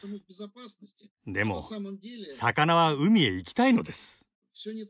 でも魚は海へ行きたいのです。